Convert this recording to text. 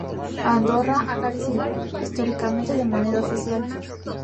Andorra ha carecido históricamente de moneda oficial.